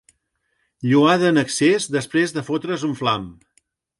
Lloada en excés després de fotre's un flam.